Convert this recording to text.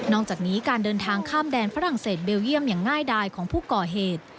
จากนี้การเดินทางข้ามแดนฝรั่งเศสเบลเยี่ยมอย่างง่ายดายของผู้ก่อเหตุ